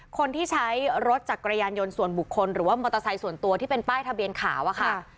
คนที่ใช้รถจักรยานยนต์ส่วนบุคคลหรือว่ามอเตอร์ไซค์ส่วนตัวที่เป็นป้ายทะเบียนขาวอะค่ะ